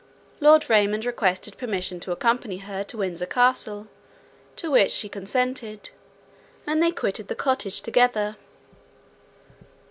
Lord Raymond requested permission to accompany her to Windsor Castle, to which she consented, and they quitted the cottage together.